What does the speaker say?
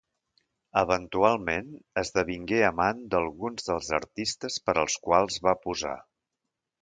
Eventualment esdevingué amant d'alguns dels artistes per als quals va posar.